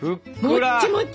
もっちもち！